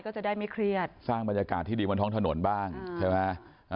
ก็จะได้ไม่เครียดสร้างบรรยากาศที่ดีบนท้องถนนบ้างใช่ไหม